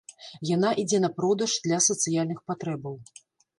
Яна ідзе на продаж для сацыяльных патрэбаў.